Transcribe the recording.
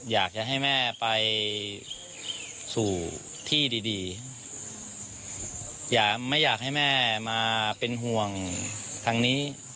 อยากจะให้แม่ไปสู่ที่ดีดีอย่าไม่อยากให้แม่มาเป็นห่วงทางนี้